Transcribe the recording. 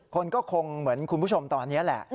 คนก็คงเหมือนคุณผู้ชมตอนนี้แหละ